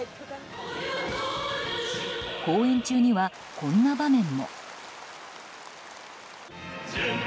公演中には、こんな場面も。